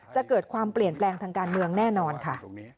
จะเกิดความเปลี่ยนแปลงทางการเมืองแน่นอนค่ะ